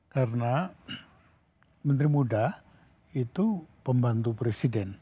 karena menteri muda itu pembantu presiden